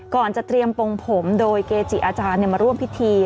ก่อนจะเตรียมปรงผมโดยเกจิอาจารย์มาร่วมพิธี